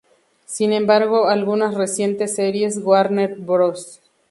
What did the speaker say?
Sin embargo, algunas recientes series Warner Bros.